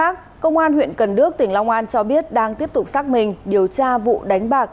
công an huyện cần đước tỉnh long an cho biết đang tiếp tục xác minh điều tra vụ đánh bạc